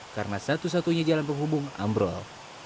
karena satu satunya jalan penghubung ambrol